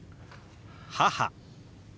「母」。